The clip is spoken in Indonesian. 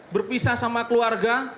berpisah sama keluarga